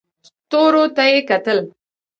ستورو ته یې کتل.